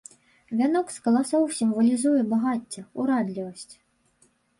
Вянок з каласоў сімвалізуе багацце, урадлівасць.